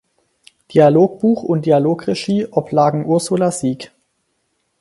Dialogbuch und Dialogregie oblagen Ursula Sieg.